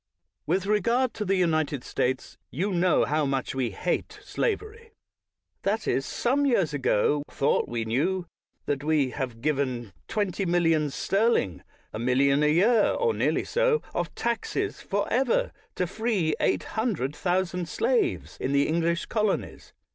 With regard to the United States, you know 249 THE WORLD'S FAMOUS ORATIONS how much we hate slavery — that is, some years ago we thought we knew; that we have given twenty millions sterling — a million a year, or nearly so, of taxes for ever — to free eight hun dred thousand slaves in the English colonies.